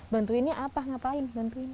bantuinnya apa ngapain bantuinnya